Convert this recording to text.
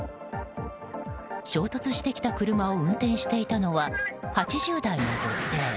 衝突してきた車を運転していたのは８０代の女性。